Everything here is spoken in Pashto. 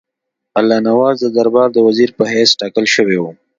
الله نواز د دربار د وزیر په حیث ټاکل شوی وو.